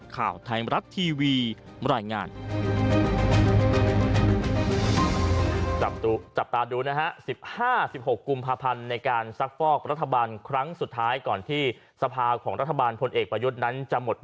ข่าวไทยรัตน์ทีวีรายงาน